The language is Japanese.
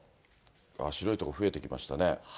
白い所、増えてきましたね。